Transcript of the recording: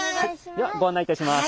ではご案内いたします。